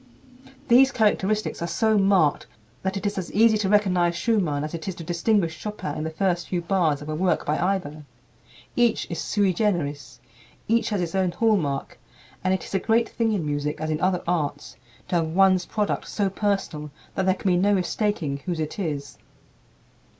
These characteristics are so marked that it is as easy to recognize Schumann as it is to distinguish Chopin in the first few bars of a work by either. Each is sui generis, each has his own hallmark, and it is a great thing in music, as in other arts, to have one's product so personal that there can be no mistaking whose it is.